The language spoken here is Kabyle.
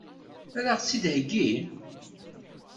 Ad ɣ-tt-id-theggi?